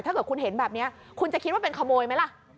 ถ้าเกิดคุณเห็นแบบนี้คุณจะคิดว่าเป็นขโมยไหมล่ะ